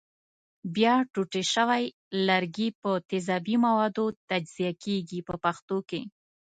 بیا ټوټې شوي لرګي په تیزابي موادو تجزیه کېږي په پښتو کې.